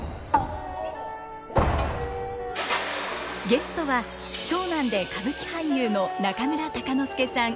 ゲストは長男で歌舞伎俳優の中村鷹之資さん。